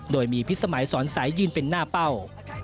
โดยมีพิษสมัยสอนใสยืนเป็นหน้าเป้า